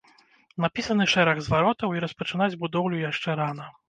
Напісаны шэраг зваротаў, і распачынаць будоўлю яшчэ рана.